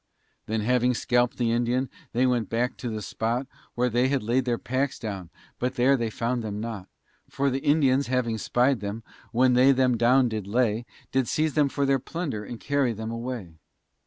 Then having scalp'd the Indian, they went back to the spot Where they had laid their packs down, but there they found them not, For the Indians having spy'd them, when they them down did lay, Did seize them for their plunder, and carry them away.